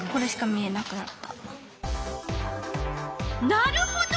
なるほど。